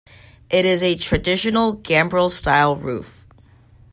It is a traditional gambrel style roof.